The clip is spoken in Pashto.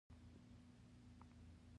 سخوندر د غوا غولانځه رودله.